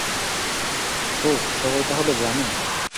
ও, সবাই তাহলে জানে।